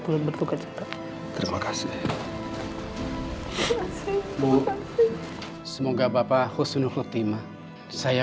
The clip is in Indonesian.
gak usah gak apa apa